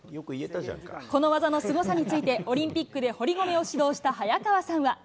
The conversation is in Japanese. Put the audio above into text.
この技のすごさについて、オリンピックで堀米を指導した早川さんは。